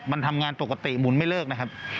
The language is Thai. มันทำงานปกติหมุนไม่เลิกนะครับ